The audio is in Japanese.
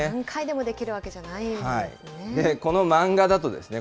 何回でもできるわけじゃないんですね。